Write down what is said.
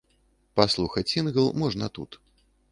Паслухаць сінгл можна тут.